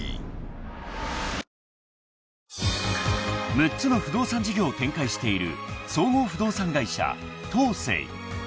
［６つの不動産事業を展開している総合不動産会社トーセイ］